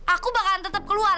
aku bakalan tetap keluar